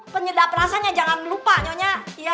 penyedap rasanya jangan lupa nyonya